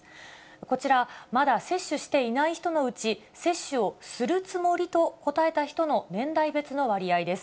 こちら、まだ接種していない人のうち、接種をするつもりと答えた人の年代別の割合です。